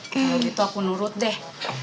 kayak gitu aku nurut deh